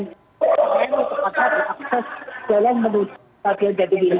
dan juga pada akses jalan menuju stadion jatidiri